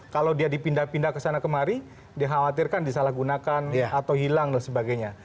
kalau dia dipindah pindah ke sana kemari dikhawatirkan disalahgunakan atau hilang dan sebagainya